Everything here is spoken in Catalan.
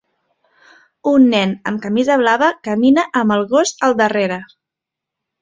Un nen amb camisa blava camina amb el gos al darrere.